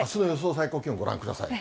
最高気温ご覧ください。